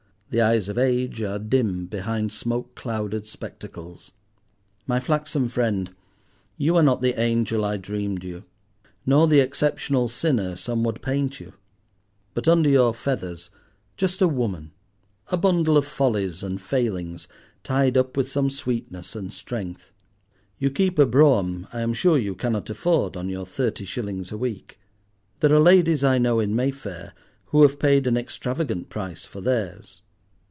The eyes of age are dim behind smoke clouded spectacles. My flaxen friend, you are not the angel I dreamed you, nor the exceptional sinner some would paint you; but under your feathers, just a woman—a bundle of follies and failings, tied up with some sweetness and strength. You keep a brougham I am sure you cannot afford on your thirty shillings a week. There are ladies I know, in Mayfair, who have paid an extravagant price for theirs.